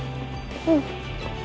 うん。